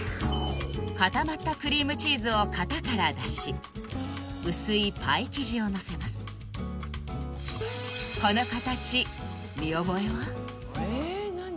固まったクリームチーズを型から出し薄いパイ生地をのせます見覚えは？